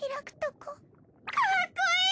かっこいい！